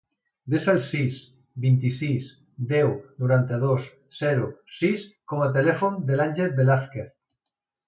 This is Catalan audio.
Desa el sis, vint-i-sis, deu, noranta-dos, zero, sis com a telèfon de l'Àngel Velazquez.